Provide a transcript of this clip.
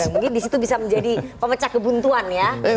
mungkin di situ bisa menjadi pemecah kebuntuan ya